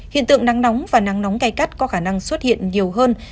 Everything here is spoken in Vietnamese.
hiện tượng nắng nóng và nắng nóng cay cắt có khả năng xuất hiện nhiều hơn